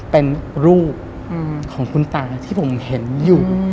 เป็นรูปของคุณตาที่ผมเห็นอยู่